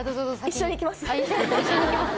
一緒にいきます？